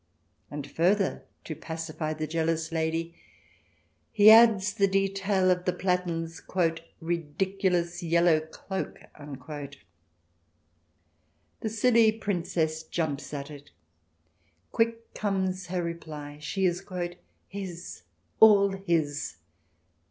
And further, to pacify the jealous lady, he adds the detail of the Platen's "ridiculous yellow cloak." The silly Princess jumps at it. Quick comes her reply, she is " his, all his."